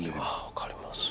分かります。